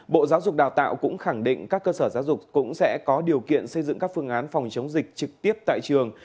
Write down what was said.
bộ giáo dục đào tạo cũng khẳng định các cơ sở giáo dục cũng sẽ có điều kiện xây dựng các phương án phòng chống dịch trực tiếp tại trường